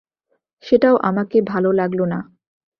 সেটাও আমাকে ভালো লাগল না।